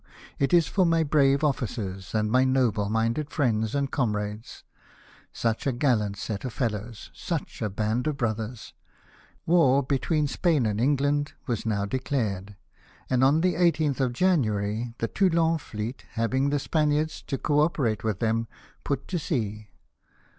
it is for my brave officers for my noble minded friends and comrades. Such a gallant set of fellows ! Such a band of brothers ! My heart swells at the thought of them." War between Spain and England was now de clared ; and on the 18th of January the Toulon fleet, having the Spaniards to co operate with them, put to sea.